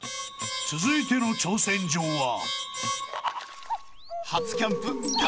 ［続いての挑戦状は］